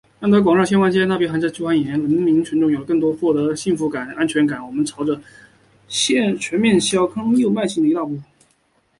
“安得广厦千万间，大庇天下寒士俱欢颜！”……人民群众有了更多获得感、幸福感、安全感。我们朝着实现全面建成小康社会目标又迈进了一大步。